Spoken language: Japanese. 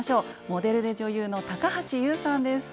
モデルで女優の高橋ユウさんです。